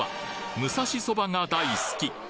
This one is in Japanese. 「武蔵そば」が大好き！？